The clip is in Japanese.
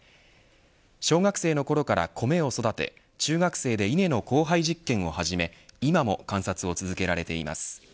小学生のころから米を育て中学生で稲の交配実験を始め今も観察を続けられています。